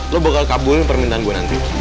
lo bakal kabulin permintaan gue nanti